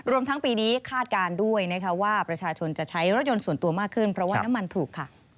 ทั้งปีนี้คาดการณ์ด้วยนะคะว่าประชาชนจะใช้รถยนต์ส่วนตัวมากขึ้นเพราะว่าน้ำมันถูกค่ะ